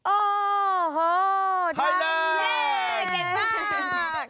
โอ้โหไทยแลนด์